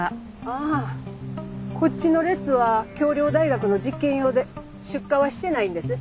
ああこっちの列は京陵大学の実験用で出荷はしてないんです。